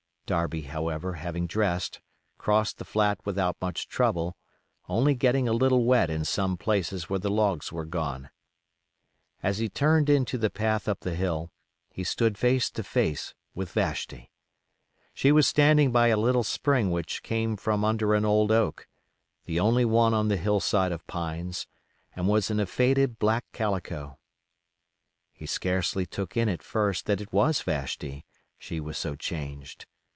Darby, however, having dressed, crossed the flat without much trouble, only getting a little wet in some places where the logs were gone. As he turned into the path up the hill, he stood face to face with Vashti. She was standing by a little spring which came from under an old oak, the only one on the hill side of pines, and was in a faded black calico. He scarcely took in at first that it was Vashti, she was so changed.